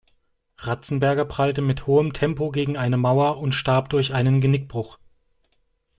Ratzenberger prallte mit hohem Tempo gegen eine Mauer und starb durch einen Genickbruch.